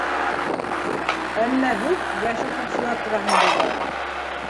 Әммә һүҙ йәш уҡытыусылар тураһында бара.